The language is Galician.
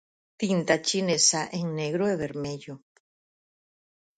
Tinta chinesa en negro e vermello.